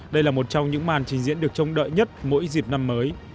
đây là một trong những màn trình diễn được trông đợi nhất mỗi dịp năm mới